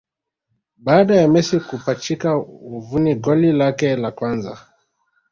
Baada ya Messi kupachika wavuni goli lake la kwanza